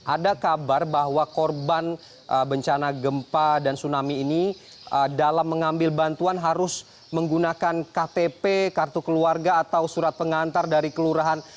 ada kabar bahwa korban bencana gempa dan tsunami ini dalam mengambil bantuan harus menggunakan ktp kartu keluarga atau surat pengantar dari kelurahan